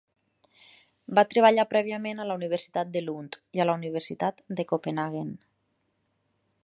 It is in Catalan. Va treballar prèviament a la Universitat de Lund i a la Universitat de Copenhaguen.